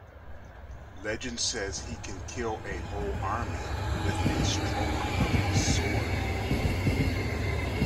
Legend says he can kill a whole army with a stroke of his sword.